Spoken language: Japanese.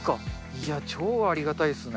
いや、超ありがたいっすね。